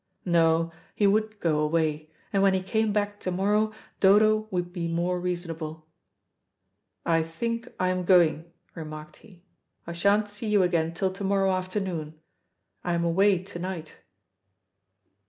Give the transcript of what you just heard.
No, he would go away, and when he came back to morrow Dodo would be more reasonable. "I think I am going," remarked he. "I sha'n't see you again till to morrow afternoon. I am away to night."